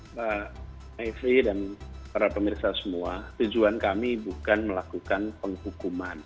mbak efri dan para pemirsa semua tujuan kami bukan melakukan penghukuman